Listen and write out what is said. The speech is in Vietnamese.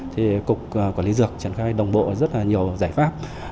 thì cục quản lý dược triển khai đồng bộ rất là nhiều giải pháp